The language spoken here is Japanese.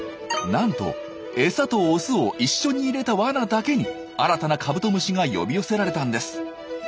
なんとえさとオスを一緒に入れたワナだけに新たなカブトムシが呼び寄せられたんです。